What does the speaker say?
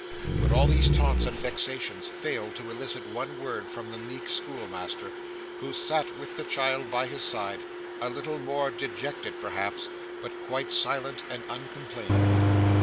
But all these taunts and vexations failed to elicit one word from the meek schoolmaster, who sat with the child by his side a little more dejected perhaps, but quite silent and uncomplaining.